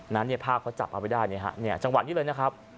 เนี่ยภาพเขาจับเอาไว้ได้เนี่ยฮะจังหวะนี้เลยนะครับ